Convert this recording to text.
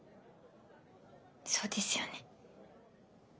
そうですよね。